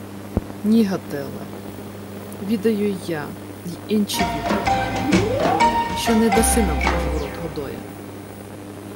— Ні, Гатиле. Відаю й я, й инчі відають, що не даси нам узворот Годоя.